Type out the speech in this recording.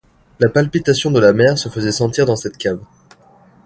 La palpitation de la mer se faisait sentir dans cette cave.